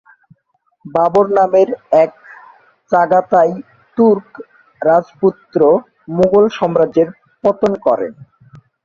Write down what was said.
বাবর নামের এক Chagatai Turk রাজপুত্র মুঘল সাম্রাজ্যের পত্তন করেন।